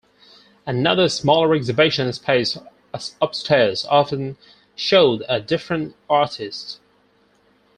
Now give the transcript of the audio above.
Another smaller exhibition space upstairs often showed a different artist.